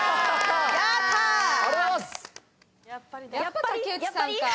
やっぱりだ。